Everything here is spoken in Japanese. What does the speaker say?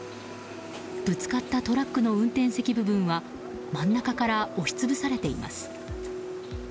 ぶつかったトラックの運転席部分は真ん中から押し潰されています。